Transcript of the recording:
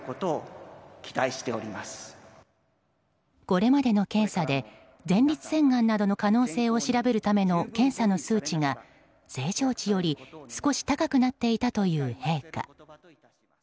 これまでの検査で前立腺がんなどの可能性を調べるための検査の数値が、正常値より少し高くなっていたという陛下。